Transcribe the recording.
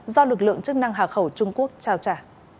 do lực lượng chức năng hà khẩu trung quốc trao trả